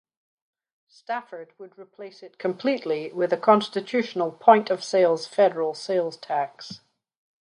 Stafford would replace it completely with a Constitutional point-of-sales Federal sales tax.